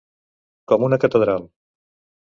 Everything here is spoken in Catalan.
Com una catedral.